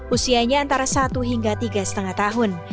usianya antara satu hingga tiga lima tahun